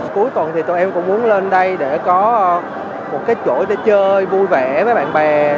cuối tuần thì tụi em cũng muốn lên đây để có một cái chuỗi để chơi vui vẻ với bạn bè